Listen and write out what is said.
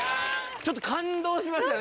ちょっと感動しましたね。